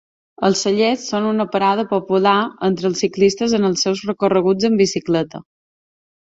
Els cellers són una parada popular entre els ciclistes en els seus recorreguts amb bicicleta.